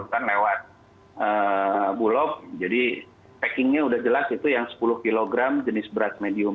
lewat bulog jadi packingnya udah jelas itu yang sepuluh kg jenis beras medium